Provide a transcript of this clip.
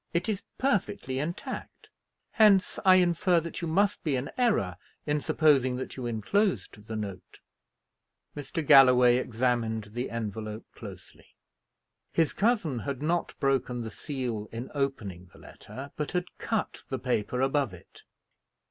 It is perfectly intact. Hence I infer that you must be in error in supposing that you enclosed the note." Mr. Galloway examined the envelope closely. His cousin had not broken the seal in opening the letter, but had cut the paper above it.